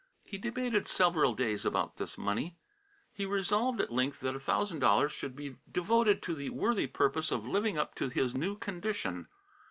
He debated several days about this money. He resolved, at length, that a thousand dollars should be devoted to the worthy purpose of living up to his new condition.